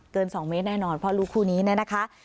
เกิน๒เมตรแน่นอนเพราะลูกคู่นี้นะนะคะ